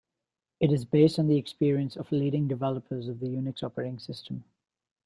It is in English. It is based on the experience of leading developers of the Unix operating system.